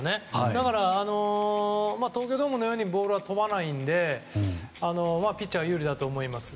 だから東京ドームのようにボールは飛ばないのでピッチャーが有利だと思います。